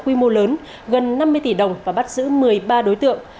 quy mô lớn gần năm mươi tỷ đồng và bắt giữ một mươi ba đối tượng